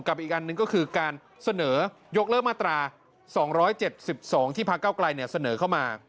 กับอีกอันนึงก็คือการเสนอยกเลิกมาตรา๒๗๒ที่ภาคเก้ากลายเนี่ยเสนอเข้ามา